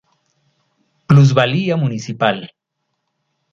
Plusvalía municipal.